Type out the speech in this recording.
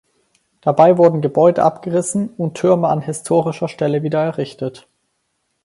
Dabei wurden Gebäude abgerissen und Türme an historischer Stelle wieder errichtet.